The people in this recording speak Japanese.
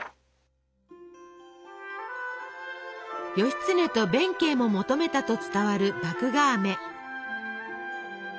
義経と弁慶も求めたと伝わる麦芽あめ。